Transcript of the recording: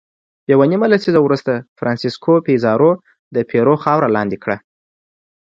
یوه نیمه لسیزه وروسته فرانسیسکو پیزارو د پیرو خاوره لاندې کړه.